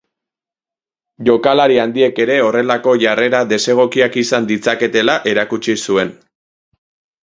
Jokalari handiek ere horrelako jarrera desegokiak izan ditzaketela erakutsi zuen.